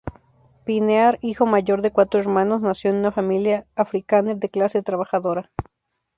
Pienaar, hijo mayor de cuatro hermanos, nació en una familia afrikáner de clase trabajadora.